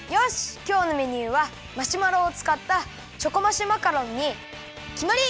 きょうのメニューはマシュマロをつかったチョコマシュマカロンにきまり！